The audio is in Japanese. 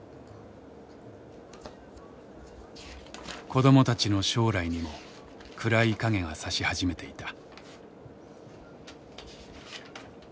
子どもたちの将来にも暗い影がさし始めていた。